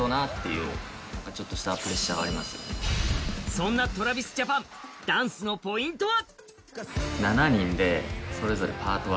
そんなＴｒａｖｉｓＪａｐａｎ、ダンスのポイントは？